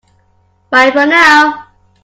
Bye for now!